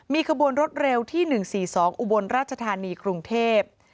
มีขบวนรถเร็วที่๑๔๒อุบลราชธานีกรุงเทพ